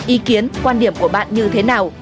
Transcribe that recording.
ý kiến quan điểm của bạn như thế nào